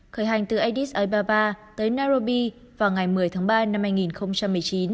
khởi hành từ addis ababa tới nairobi vào ngày một mươi tháng ba năm hai nghìn một mươi chín